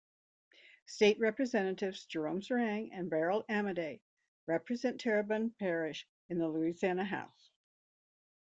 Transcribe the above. State Representatives Jerome Zeringue and Beryl Amedee represent Terrebonne Parish in the Louisiana House.